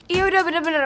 iya udah bener bener